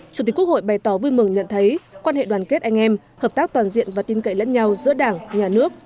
chủ tịch quốc hội bày tỏ vui mừng nhận thấy quan hệ đoàn kết anh em hợp tác toàn diện và tin cậy lẫn nhau giữa đảng nhà nước